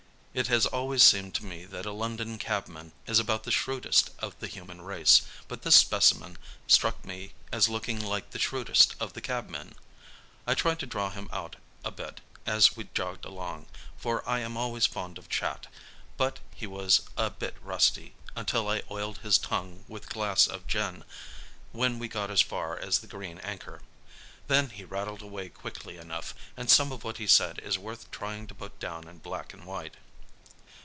It has always seemed to me that a London cabman is about the shrewdest of the human race, but this specimen struck me as looking like the shrewdest of the cabmen. I tried to draw him out a bit as we jogged along, for I am always fond of a chat; but he was a bit rusty until I oiled his tongue with glass of gin when we got as far as the "Green Anchor." Then he rattled away quickly enough, and some of what he said is worth trying to put down in black and white.